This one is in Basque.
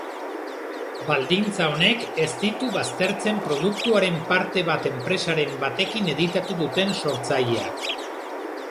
Baldintza honek ez ditu baztertzen produktuaren parte bat enpresaren batekin editatu duten sortzaileak.